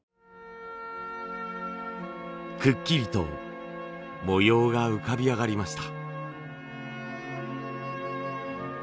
くっきりと模様が浮かび上がりました。